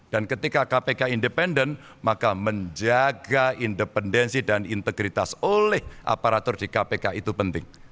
ketika kpk independen maka menjaga independensi dan integritas oleh aparatur di kpk itu penting